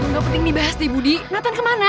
gak penting dibahas deh budi nathan kemana